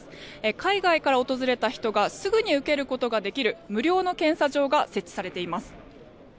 海外から訪れた人がすぐに受けることができる無料の検査場が設置されています。